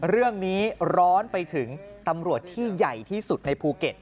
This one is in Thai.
ร้อนไปถึงตำรวจที่ใหญ่ที่สุดในภูเก็ต